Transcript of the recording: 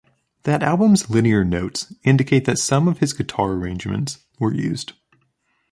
That album's liner notes indicate that some of his guitar arrangements were used.